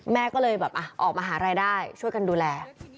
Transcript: แม่ก็เลยแบบออกมาหารายได้ช่วยกันดูแล